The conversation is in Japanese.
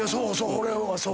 俺はそう。